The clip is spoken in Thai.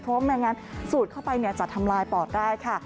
เพราะว่าไม่งั้นสูดเข้าไปจะทำลายปอดได้ค่ะ